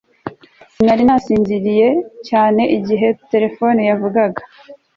sinari nasinziriye cyane igihe terefone yavugaga